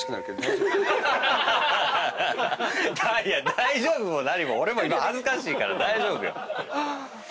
大丈夫も何も俺も今恥ずかしいから大丈夫よ。